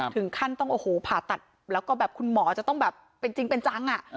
ถึงขั้นต้องโอ้โหผ่าตัดแล้วก็แบบคุณหมอจะต้องแบบเป็นจริงเป็นจัง